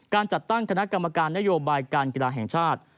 การจัดตั้งคณะกรรมการนโยบายการกีฬาแห่งชาติ